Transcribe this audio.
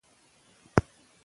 نڅا کول هم فزیکي فعالیت دی.